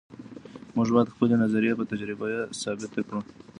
موږ باید خپلې نظریې په تجربه ثابتې کړو.